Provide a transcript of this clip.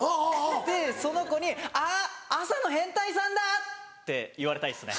でその子に「あっ朝の変態さんだ！」って言われたいですね。